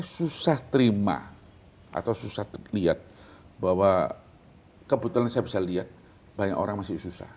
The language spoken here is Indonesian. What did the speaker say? susah terima atau susah terlihat bahwa kebetulan saya bisa lihat banyak orang masih susah